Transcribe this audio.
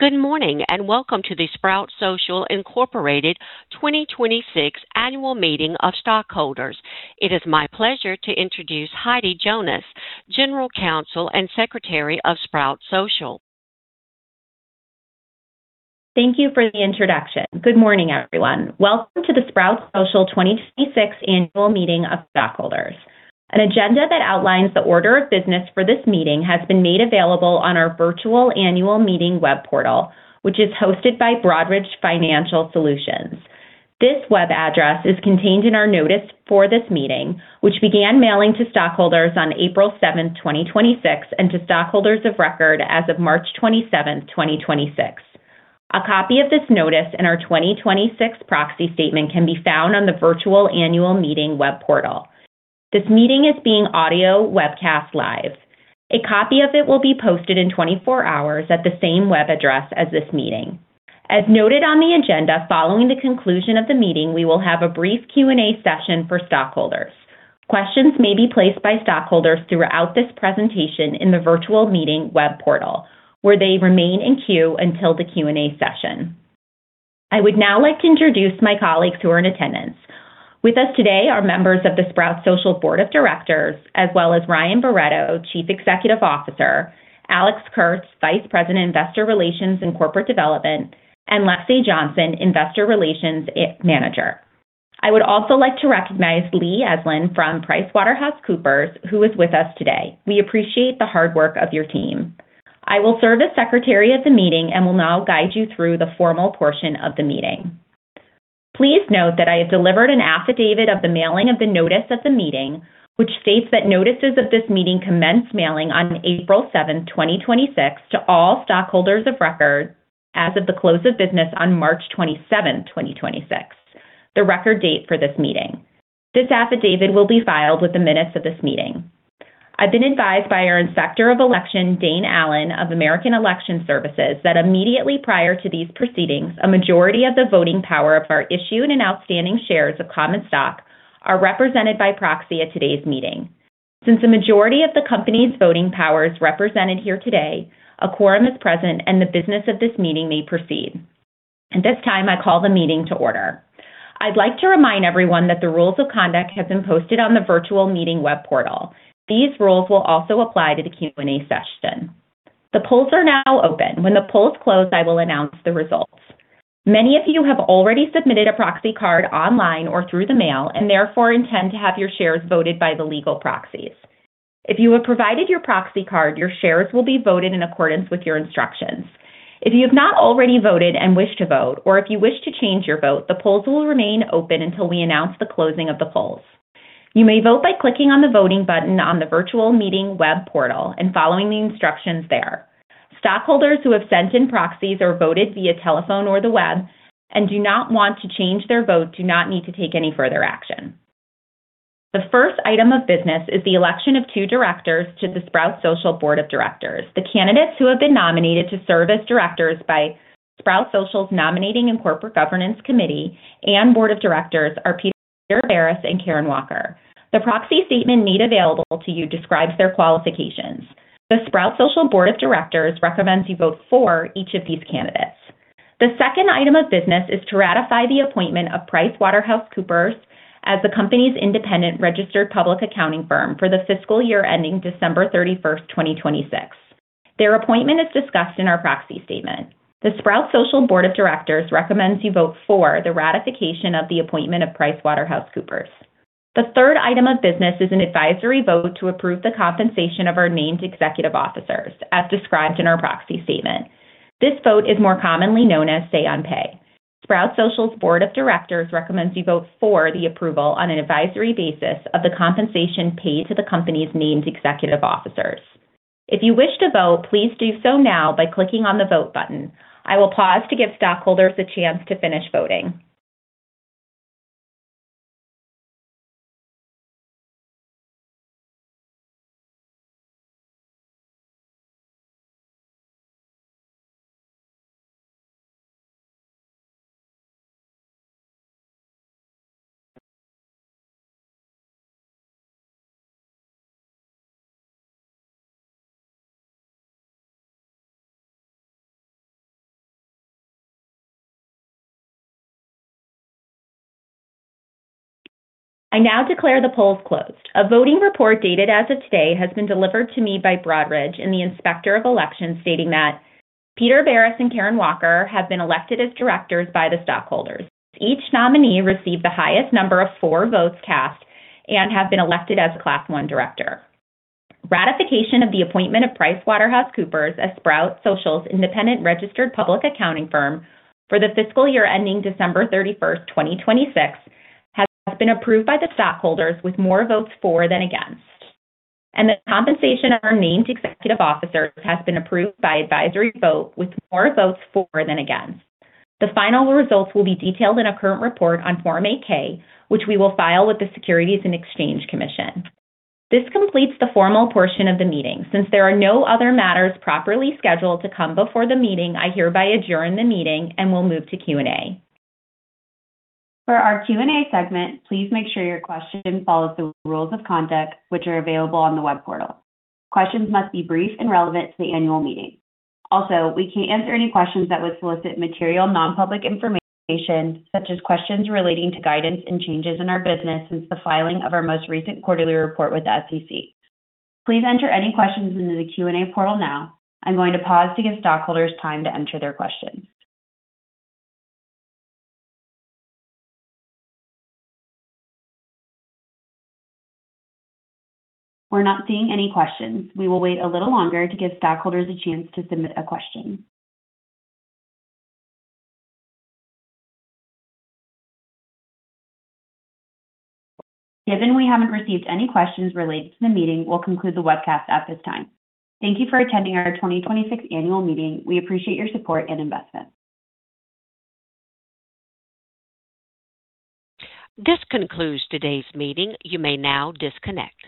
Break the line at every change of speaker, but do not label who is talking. Good morning and welcome to the Sprout Social, Inc. 2026 Annual Meeting of Stockholders. It is my pleasure to introduce Heidi Jonas, General Counsel and Secretary of Sprout Social.
Thank you for the introduction. Good morning, everyone. Welcome to the Sprout Social 2026 Annual Meeting of Stockholders. An agenda that outlines the order of business for this meeting has been made available on our virtual annual meeting web portal, which is hosted by Broadridge Financial Solutions. This web address is contained in our notice for this meeting, which began mailing to stockholders on April 7th, 2026, and to stockholders of record as of March 27th, 2026. A copy of this notice and our 2026 proxy statement can be found on the virtual annual meeting web portal. This meeting is being audio webcast-live. A copy of it will be posted in 24 hours at the same web address as this meeting. As noted on the agenda, following the conclusion of the meeting, we will have a brief Q&A session for stockholders. Questions may be placed by stockholders throughout this presentation in the virtual meeting web portal, where they remain in queue until the Q&A session. I would now like to introduce my colleagues who are in attendance. With us today are members of the Sprout Social Board of Directors, as well as Ryan Barretto, Chief Executive Officer, Alex Kurtz, Vice President, Investor Relations and Corporate Development, and Lexi Johnson, Investor Relations Manager. I would also like to recognize Lee Eslyn from PricewaterhouseCoopers, who is with us today. We appreciate the hard work of your team. I will serve as Secretary of the meeting and will now guide you through the formal portion of the meeting. Please note that I have delivered an affidavit of the mailing of the notice of the meeting, which states that notices of this meeting commenced mailing on April 7th, 2026, to all stockholders of record as of the close of business on March 27th, 2026, the record date for this meeting. This affidavit will be filed with the minutes of this meeting. I've been advised by our Inspector of Election, Dane Allen of American Election Services, that immediately prior to these proceedings, a majority of the voting power of our issued and outstanding shares of common stock are represented by proxy at today's meeting. Since the majority of the company's voting power is represented here today, a quorum is present, and the business of this meeting may proceed. At this time I call the meeting to order. I'd like to remind everyone that the rules of conduct have been posted on the virtual meeting web portal. These rules will also apply to the Q&A session. The polls are now open. When the polls close, I will announce the results. Many of you have already submitted a proxy card online or through the mail and therefore intend to have your shares voted by the legal proxies. If you have provided your proxy card, your shares will be voted in accordance with your instructions. If you have not already voted and wish to vote, or if you wish to change your vote, the polls will remain open until we announce the closing of the polls. You may vote by clicking on the voting button on the virtual meeting web portal and following the instructions there. Stockholders who have sent in proxies or voted via telephone or the web and do not want to change their vote do not need to take any further action. The first item of business is the election of two directors to the Sprout Social Board of Directors. The candidates who have been nominated to serve as directors by Sprout Social's Nominating and Corporate Governance Committee and Board of Directors are Peter Barris and Karen Walker. The proxy statement made available to you describes their qualifications. The Sprout Social Board of Directors recommends you vote for each of these candidates. The second item of business is to ratify the appointment of PricewaterhouseCoopers as the company's independent registered public accounting firm for the fiscal year ending December 31st, 2026. Their appointment is discussed in our proxy statement. The Sprout Social Board of Directors recommends you vote for the ratification of the appointment of PricewaterhouseCoopers. The third item of business is an advisory vote to approve the compensation of our named executive officers, as described in our proxy statement. This vote is more commonly known as say on pay. Sprout Social's Board of Directors recommends you vote for the approval on an advisory basis of the compensation paid to the company's named executive officers. If you wish to vote, please do so now by clicking on the Vote button. I will pause to give stockholders a chance to finish voting. I now declare the polls closed. A voting report dated as of today has been delivered to me by Broadridge and the Inspector of Elections, stating that Peter Barris and Karen Walker have been elected as directors by the stockholders. Each nominee received the highest number of four votes cast and have been elected as a Class I director. Ratification of the appointment of PricewaterhouseCoopers as Sprout Social's independent registered public accounting firm for the fiscal year ending December 31st, 2026, has been approved by the stockholders with more votes for than against. The compensation of our named executive officers has been approved by advisory vote with more votes for than against. The final results will be detailed in a current report on Form 8-K, which we will file with the Securities and Exchange Commission. This completes the formal portion of the meeting. Since there are no other matters properly scheduled to come before the meeting, I hereby adjourn the meeting and we'll move to Q&A. For our Q&A segment, please make sure your question follows the rules of conduct which are available on the web portal. Questions must be brief and relevant to the annual meeting. Also, we can't answer any questions that would solicit material non-public information, such as questions relating to guidance and changes in our business since the filing of our most recent quarterly report with the SEC. Please enter any questions into the Q&A portal now. I'm going to pause to give stockholders time to enter their questions. We're not seeing any questions. We will wait a little longer to give stockholders a chance to submit a question. Given we haven't received any questions related to the meeting, we'll conclude the webcast at this time. Thank you for attending our 2026 annual meeting. We appreciate your support and investment.
This concludes today's meeting. You may now disconnect.